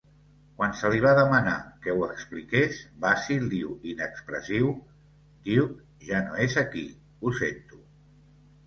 Quan se li va demanar que ho expliqués, Basil diu inexpressiu, "Duck ja no es aquí, ho sento".